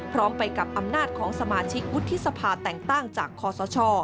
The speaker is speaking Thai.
พร้อมไปกับอำนาจของสมาชิกวุฒิสภาแต่งตั้งจากคอสช